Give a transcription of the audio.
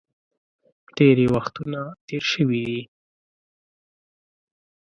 تېرې وختونه تېر شوي دي.